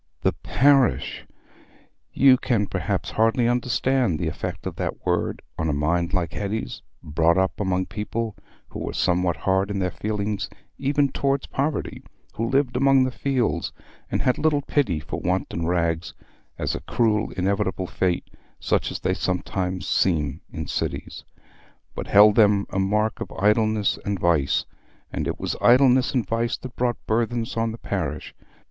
"The parish!" You can perhaps hardly understand the effect of that word on a mind like Hetty's, brought up among people who were somewhat hard in their feelings even towards poverty, who lived among the fields, and had little pity for want and rags as a cruel inevitable fate such as they sometimes seem in cities, but held them a mark of idleness and vice—and it was idleness and vice that brought burdens on the parish.